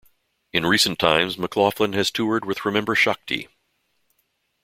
In recent times McLaughlin has toured with Remember Shakti.